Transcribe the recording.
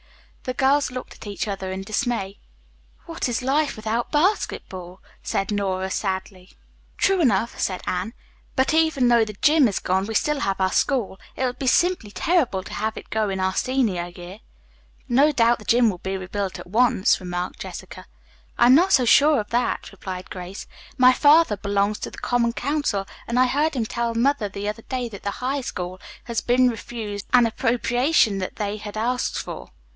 The girls looked at each other in dismay. "What is life without basketball?" said Nora sadly. "True enough," said Anne, "but even though the gym. is gone we still have our school. It would be simply terrible to have had it go in our senior year." "No doubt the gym. will be rebuilt at once," remarked Jessica. "I am not so sure of that," replied Grace. "My father belongs to the common council, and I heard him tell mother the other day that the High School had been refused an appropriation that they had asked for."